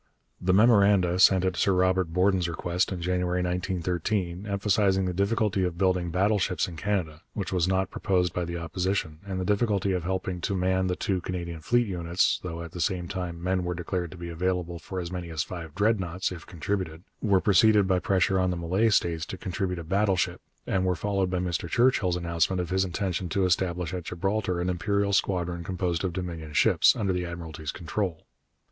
The memoranda sent at Sir Robert Borden's request in January 1913, emphasizing the difficulty of building battleships in Canada which was not proposed by the Opposition and the difficulty of helping to man the two Canadian fleet units though at the same time men were declared to be available for as many as five Dreadnoughts, if contributed were preceded by pressure on the Malay States to contribute a battleship, and were followed by Mr Churchill's announcement of his intention to establish at Gibraltar an Imperial Squadron composed of Dominion ships, under the Admiralty's control.